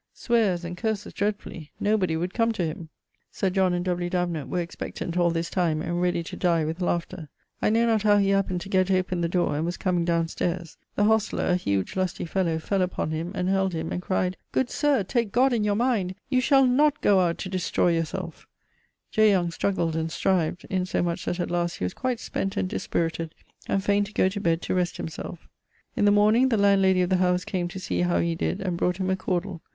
sweares and curses dreadfully; nobody would come to him. Sir John and W. Davenant were expectant all this time, and ready to dye with laughter. I know not how he happened to gett open the dore, and was comeing downe stayres. The hostler, a huge lusty fellow, fell upon him, and held him, and cryed, 'Good sir, take God in your mind, you shall not goe out to destroy your selfe.' J. Young struggled and strived, insomuch that at last he was quite spent and dispirited, and faine to goe to bed to rest himselfe. In the morning the landlady of the house came to see how he did, and brought him a cawdle.